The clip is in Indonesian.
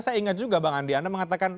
saya ingat juga bang andi anda mengatakan